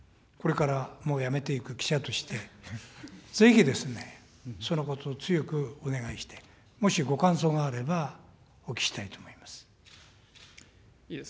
これからもう辞めていく記者として、ぜひですね、そのことを強くお願いしたい、もしご感想があれば、お聞きしたいと思います。